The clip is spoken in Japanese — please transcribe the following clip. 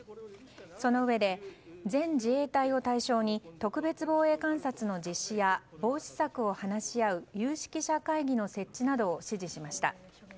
そのうえで、全自衛隊を対象に特別防衛監察の実施や防止策を話し合う有識者会議の設置などを指示しました。